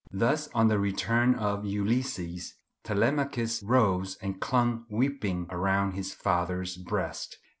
Thus on the return of Ulysses:— "Telemachus Rose, and clung weeping round his father's breast.